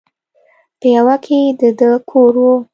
په يوه کښې د ده کور و.